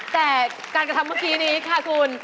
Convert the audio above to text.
แต่การกระทำเมื่อกี้นี้ค่ะคุณ